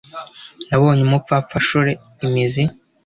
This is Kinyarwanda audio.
Nabonye umupfapfa ashore imizi